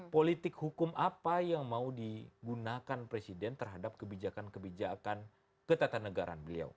politik hukum apa yang mau digunakan presiden terhadap kebijakan kebijakan ketatanegaraan beliau